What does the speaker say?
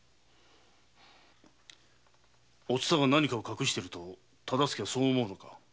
お蔦は何か隠していると大岡はそう思うのか？